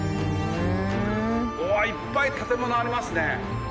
いっぱい建物ありますね。